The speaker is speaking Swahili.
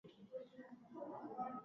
Yaani mpaka akubembeleze